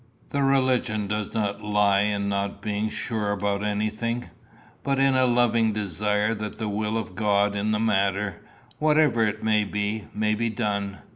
The religion does not lie in not being sure about anything, but in a loving desire that the will of God in the matter, whatever it be, may be done.